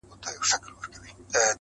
رنګ د جهاني د غزل میو ته لوېدلی دی.!